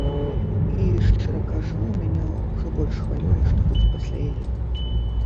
І, шчыра кажу, мяне ўжо больш хвалюе, што будзе пасля яе.